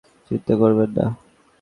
চিন্তা করবেন না!